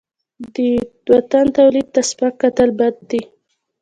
د وطن تولید ته سپک کتل بد دي.